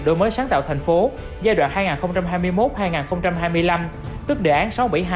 đổi mới sáng tạo thành phố giai đoạn hai nghìn hai mươi một hai nghìn hai mươi năm tức đề án sáu trăm bảy mươi hai